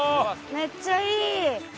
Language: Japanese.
めっちゃいい！